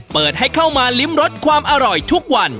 เปิดให้เข้ามาลิ้มรสความอร่อยทุกวัน